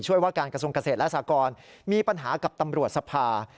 ว่าการกระทรวงเกษตรและสากรมีปัญหากับตำรวจสภา